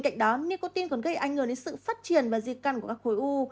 thuốc tin còn gây ảnh hưởng đến sự phát triển và di cằn của các khối u